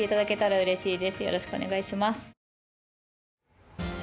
よろしくお願いします。